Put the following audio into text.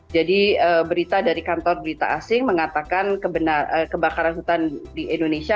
jadi berita dari kantor berita asing mengatakan kebakaran hutan di indonesia